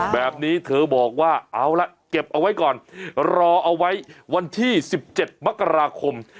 แบบนี้เธอบอกว่าเอาละเก็บเอาไว้ก่อนรอเอาไว้วันที่๑๗มกราคม